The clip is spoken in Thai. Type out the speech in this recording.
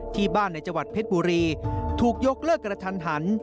ที่บ้านในจังหวัดเพชรบุรีถูกยกเลิกกระทันหัน